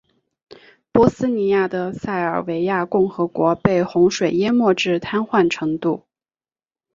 波斯尼亚的塞尔维亚共和国被洪水淹没至瘫痪程度。